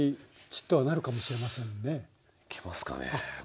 いけますかね。